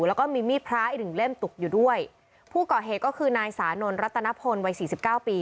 แล้วก็มีมีดพระอีกหนึ่งเล่มตกอยู่ด้วยผู้ก่อเหตุก็คือนายสานนทรัตนพลวัยสี่สิบเก้าปี